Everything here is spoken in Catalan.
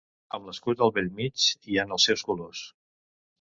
Amb l'escut al bell mig, i en els seus colors.